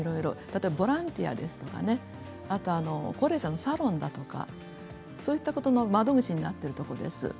例えば、ボランティアですとか高齢者のサロンだとかそういった方の窓口になってくれるところです。